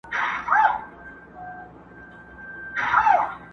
کورته مي څوک نه راځي زړه ته چي ټکور مي سي!